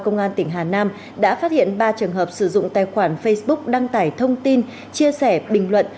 công an tỉnh hà nam đã phát hiện ba trường hợp sử dụng tài khoản facebook đăng tải thông tin chia sẻ bình luận